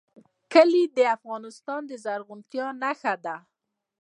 کلي د افغانستان د زرغونتیا نښه ده.